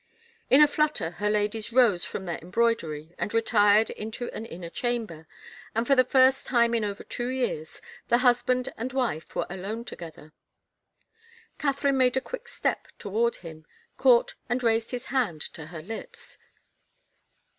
In a flutter her ladies rose from their embroidery and retired into ^n inner chamber, and for the first time in over two years the husband and wife were alone to gether. Catherine made a quick step toward him, caught and raised his hand to her lips.